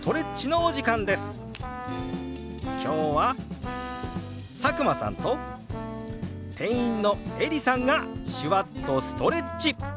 今日は佐久間さんと店員のエリさんが手話っとストレッチ！